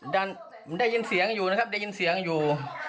ได้ยินเสียงอยู่นะครับได้ยินเสียงอยู่